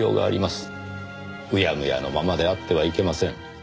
うやむやのままであってはいけません。